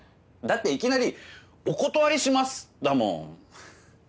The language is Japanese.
だっていきなり「お断りします」だもん。